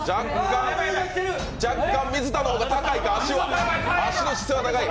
若干水田の方が高いか、足の質は高い。